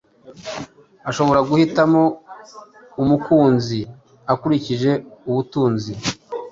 ashobora guhitamo umukunzi akurikije ubutunzi,